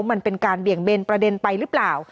มันเป็นการเบี่ยงเบนประเด็นไปหรือเปล่า